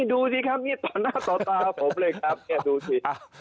ดูสิครับนี่ต่อหน้าต่อตาผมเลยครับเนี่ยดูสิ